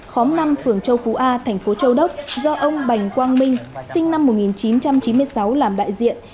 khóm năm phường châu phú a thành phố châu đốc do ông bành quang minh sinh năm một nghìn chín trăm chín mươi sáu làm đại diện